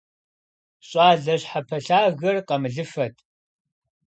ЩӀалэ щхьэпэлъагэр къамылыфэт.